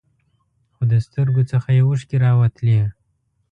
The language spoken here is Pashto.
خو د سترګو څخه یې اوښکې راوتلې.